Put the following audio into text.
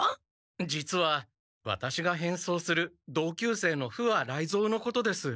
実はワタシが変装する同級生の不破雷蔵のことです。